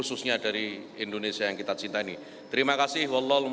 baik terima kasih